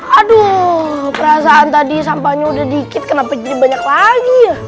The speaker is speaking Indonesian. aduh perasaan tadi sampahnya udah dikit kenapa jadi banyak lagi